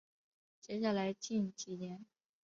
接下来近几年